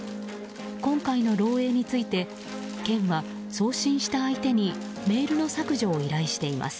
今回の漏洩について、県は送信した相手にメールの削除を依頼しています。